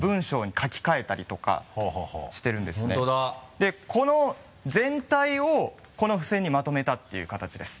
でこの全体をこの付箋にまとめたっていうかたちです